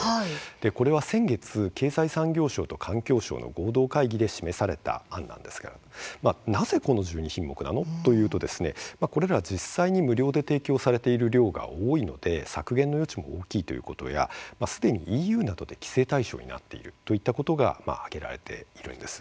これは先月、経済産業省と環境省の合同会議で示された案なんですがなぜこの１２品目なのかというとこれらは実際に無料で提供されている量が多いので削減の余地も大きいということ、またすでにＥＵなどで規制対象となっていることなどが挙げられています。